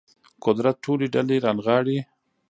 قدرت ټولې ډلې رانغاړي